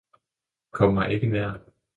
Kom mig ikke nær!